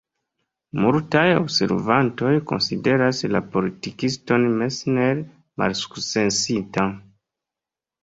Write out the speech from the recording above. Multaj observantoj konsideras la politikiston Messner malsukcesinta.